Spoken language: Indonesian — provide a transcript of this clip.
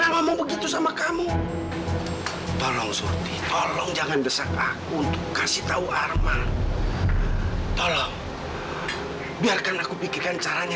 sampai jumpa di video selanjutnya